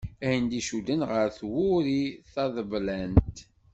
Ayen d-icudden γer twuri taḍeblant.